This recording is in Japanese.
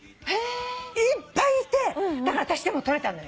いっぱいいてだから私でも撮れたのよ。